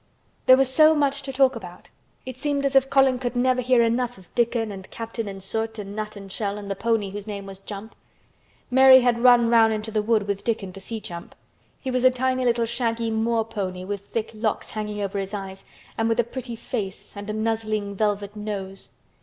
There was so much to talk about. It seemed as if Colin could never hear enough of Dickon and Captain and Soot and Nut and Shell and the pony whose name was Jump. Mary had run round into the wood with Dickon to see Jump. He was a tiny little shaggy moor pony with thick locks hanging over his eyes and with a pretty face and a nuzzling velvet nose.